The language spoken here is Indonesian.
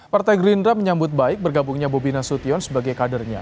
partai gerindra menyambut baik bergabungnya bobi nasution sebagai kadernya